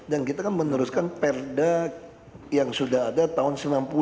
dan kita kan meneruskan perda yang sudah ada tahun seribu sembilan ratus sembilan puluh lima